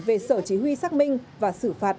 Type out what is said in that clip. về sở chỉ huy xác minh và xử phạt